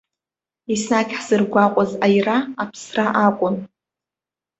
Еснагь ҳзыргәаҟуаз аира аԥсра акәын.